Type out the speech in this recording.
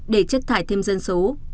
để chất thải thêm dân số